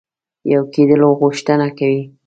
یو کېدلو غوښتنه کوي.